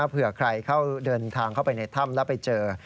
เผื่อใครเข้าเดินทางเข้าไปในถ้ำแล้วไปเจอ